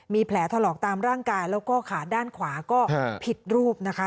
มีแผลถลอกตามร่างกายแล้วก็ขาด้านขวาก็ผิดรูปนะคะ